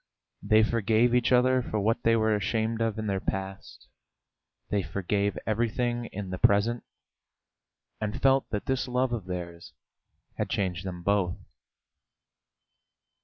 They forgave each other for what they were ashamed of in their past, they forgave everything in the present, and felt that this love of theirs had changed them both.